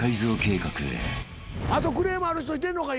あとクレームある人いてんのか？